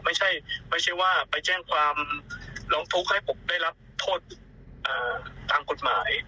ไม่ใช่ไม่ใช่ว่าไปแจ้งความร้องทุกข์ให้ผมได้รับโทษตามกฎหมาย